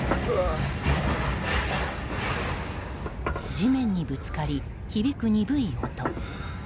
地面にぶつかり、響く鈍い音。